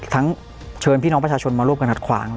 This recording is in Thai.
เชิญพี่น้องประชาชนมาร่วมกันหัดขวาง